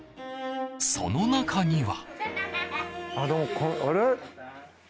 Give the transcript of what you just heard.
その中には。